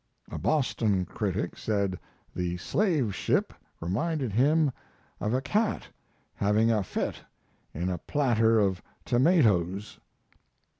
A Boston critic said the "Slave Ship" reminded him of a cat having a fit in a platter of tomatoes.